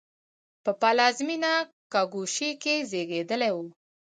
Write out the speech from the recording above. په پلازمېنه کاګوشی کې زېږېدلی و.